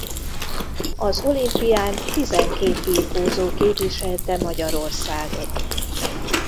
Az olimpián tizenkét birkózó képviselte Magyarországot.